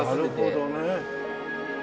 なるほどね。